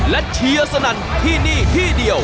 และเชียร์สนั่นที่นี่ที่เดียว